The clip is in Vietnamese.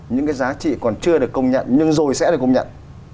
những cái giá trị còn chưa được công nhận nhưng rồi sẽ được công nhận